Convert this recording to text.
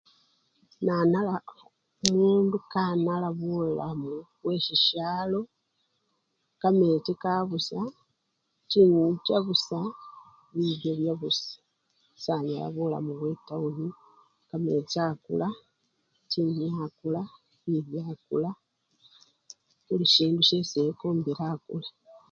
Nanala omundu kanala bulamu bwe shisyalo, kamechi kabusa, chinyenyi chabusa bilyo byabusa, sanyala bulamu bwetawuni, kamechi akula, chinyenyi akula, bilyo akula buli sindu syesi ekombile akula